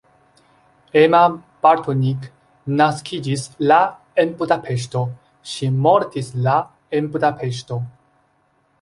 Emma Bartoniek naskiĝis la en Budapeŝto, ŝi mortis la en Budapeŝto.